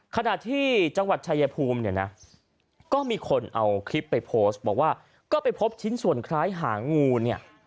ขณะที่จังหวัดชายภูมิเนี่ยนะก็มีคนเอาคลิปไปโพสต์บอกว่าก็ไปพบชิ้นส่วนคล้ายหางงูเนี่ย